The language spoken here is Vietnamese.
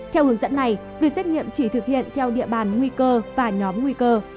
theo hướng dẫn này việc xét nghiệm chỉ thực hiện theo địa bàn nguy cơ và nhóm nguy cơ